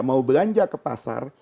mau belanja ke pasar